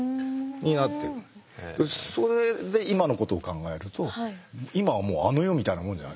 それで今のことを考えると今はもうあの世みたいなもんじゃない。